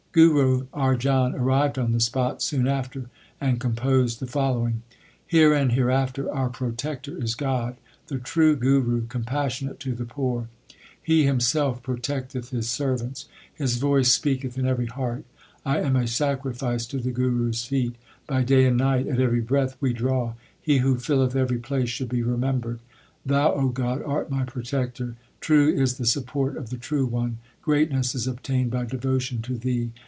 Guru Arjan arrived on the spot soon after, and composed the following : Here and hereafter our protector Is God, the true Guru, compassionate to the poor. 1 God s name. 2 Gaund. 40 THE SIKH RELIGION He Himself protecteth His servants ; His voice speaketh in every heart. I am a sacrifice to the Guru s feet. By day and night, at every breath we draw, He who filleth every place should be remembered. Thou, O God, art my protector ; True is the support of the True One. Greatness is obtained by devotion to Thee.